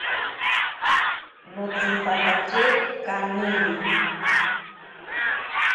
Notsimpatatye kaniri.